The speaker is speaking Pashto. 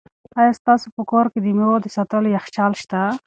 آیا ستاسو په کور کې د مېوو د ساتلو یخچال شته؟